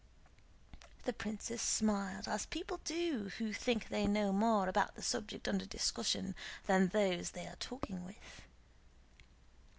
The princess smiled as people do who think they know more about the subject under discussion than those they are talking with.